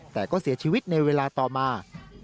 แต่ก็เสียชีวิตในเวลาต่อมา